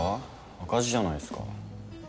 赤字じゃないっすか。